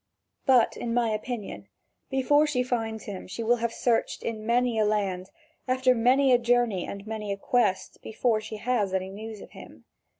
But in my opinion, before she finds him she will have searched in many a land, after many a journey and many a quest, before she has any news of him.